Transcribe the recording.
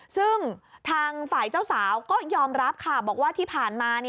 ซึ่งทางฝ่ายเจ้าสาวก็ยอมรับค่ะบอกว่าที่ผ่านมา